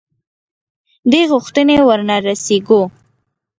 دې غوښتنې ورنه رسېږو.